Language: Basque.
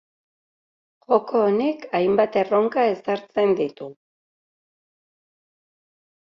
Joko honek hainbat erronka ezartzen ditu.